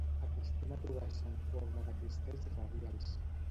Acostuma a trobar-se en forma de cristalls radials.